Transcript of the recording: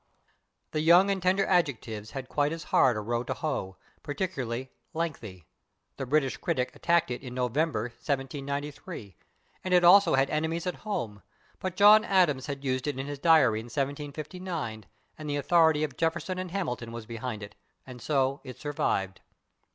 The young and tender adjectives had quite as hard a row to hoe, particularly /lengthy/. The /British Critic/ attacked it in November, 1793, and it also had enemies at home, but John Adams had used it in his diary in 1759 and the authority of Jefferson and Hamilton was behind it, and so it survived.